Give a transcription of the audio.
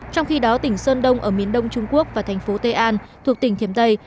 trong khi đó tỉnh sơn đông ở miền đông trung quốc và thành phố tây an thuộc tỉnh thiểm tây